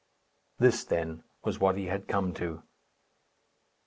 This, then, was what he had come to.